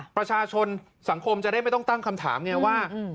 ประชาชนสังคมจะได้ไม่ต้องตั้งคำถามไงว่า